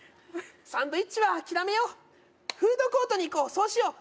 サンドイッチは諦めようフードコートに行こうそうしよう